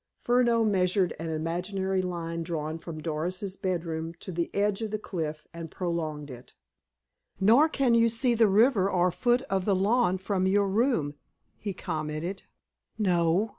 Furneaux measured an imaginary line drawn from Doris's bedroom to the edge of the cliff, and prolonged it. "Nor can you see the river or foot of the lawn from your room," he commented. "No.